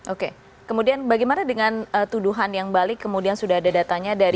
oke kemudian bagaimana dengan tuduhan yang balik kemudian sudah ada datanya dari